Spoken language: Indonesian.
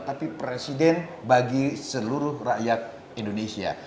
tapi presiden bagi seluruh rakyat indonesia